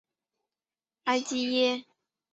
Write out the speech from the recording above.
埃吉耶。